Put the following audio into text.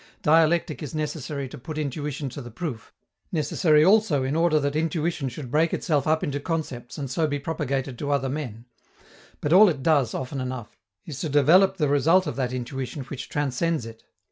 Dialectic is necessary to put intuition to the proof, necessary also in order that intuition should break itself up into concepts and so be propagated to other men; but all it does, often enough, is to develop the result of that intuition which transcends it.